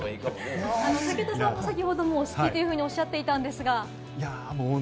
武田さんも先ほど推しとおっしゃっていましたが。